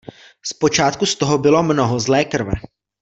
Z počátku z toho bylo mnoho zlé krve.